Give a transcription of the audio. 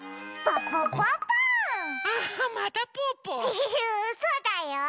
フフフそうだよ！